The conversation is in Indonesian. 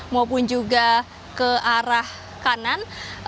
maupun juga ke arah kanan